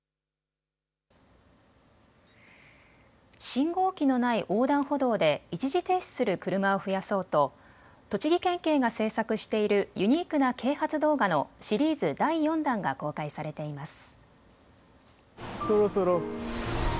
信号機のない横断歩道で一時停止する車を増やそうと栃木県警が制作しているユニークな啓発動画のシリーズ第４弾が公開されています。